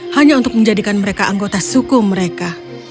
hanya untuk menjadikan mereka anggota suku mereka